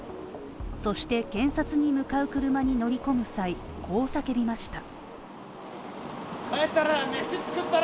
そして検察に向かう車に乗り込む際こう叫びました。